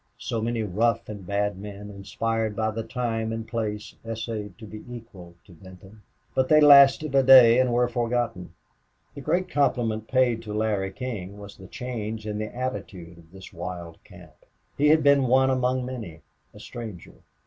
So many rough and bad men, inspired by the time and place, essayed to be equal to Benton. But they lasted a day and were forgotten. The great compliment paid to Larry King was the change in the attitude of this wild camp. He had been one among many a stranger.